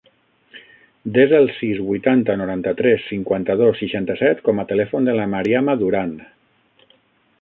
Desa el sis, vuitanta, noranta-tres, cinquanta-dos, seixanta-set com a telèfon de la Mariama Duran.